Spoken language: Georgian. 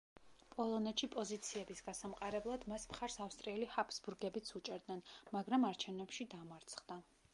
პოლონეთში პოზიციების გასამყარებლად მას მხარს ავსტრიელი ჰაბსბურგებიც უჭერდნენ, მაგრამ არჩევნებში დამარცხდა.